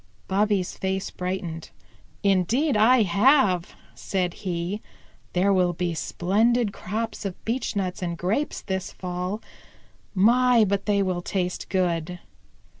Bobby's face brightened. "Indeed I have," said he. "There will be splendid crops of beechnuts and grapes this fall. My, but they will taste good!"